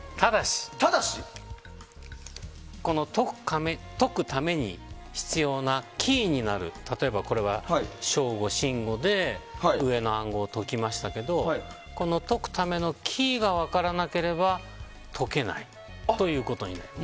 ただし、解くために必要なキーになる例えばこれはＳＨＯＧＯＳＨＩＮＧＯで上の暗号を解きましたけど解くためのキーが分からなければ解けないことになります。